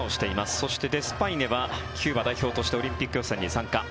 そして、デスパイネはキューバ代表としてオリンピック予選に参加。